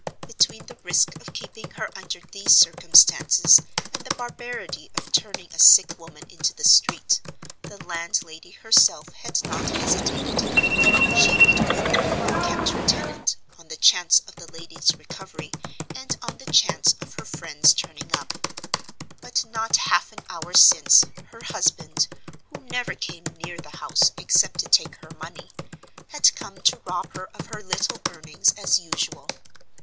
Between the risk of keeping her under these circumstances, and the barbarity of turning a sick woman into the street, the landlady herself had not hesitated. She would willingly have kept her tenant, on the chance of the lady's recovery, and on the chance of her friends turning up. But not half an hour since, her husband—who never came near the house, except to take her money—had come to rob her of her little earnings, as usual.